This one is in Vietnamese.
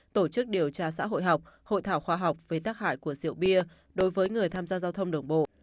tổ chức điều tra xã hội học hội thảo khoa học về tác hại của rượu bia đối với người tham gia giao thông đường bộ